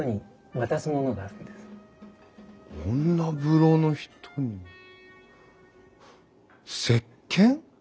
女風呂の人にせっけん？